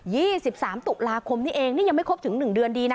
ี่สิบสามตุลาคมนี้เองนี่ยังไม่ครบถึงหนึ่งเดือนดีนะ